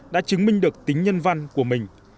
đã chứng minh được tính nhân văn của mình